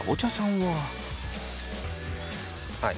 はい。